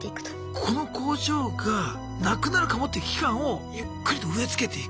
この工場がなくなるかもって危機感をゆっくりと植え付けていく？